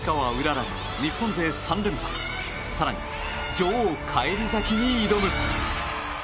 らも日本勢３連覇更に女王返り咲きに挑む。